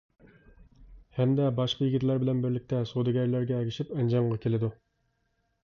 ھەمدە باشقا يىگىتلەر بىلەن بىرلىكتە سودىگەرلەرگە ئەگىشىپ ئەنجانغا كېلىدۇ.